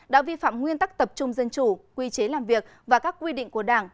đã vi phạm nguyên tắc tập trung dân chủ quy chế làm việc và các quy định của đảng